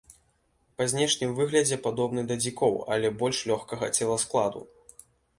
Па знешнім выглядзе падобны да дзікоў, але больш лёгкага целаскладу.